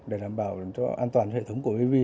để làm bảo cho an toàn hệ thống của bv